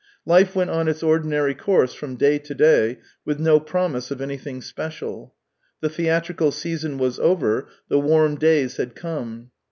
Life went on its ordinary course from day to day with no promise of anything special. The theatrical season was over, the warm days had come.